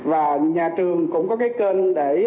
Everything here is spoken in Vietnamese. và nhà trường cũng có kênh để